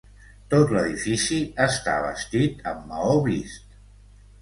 Tot l'edifici està vestit amb maó vist.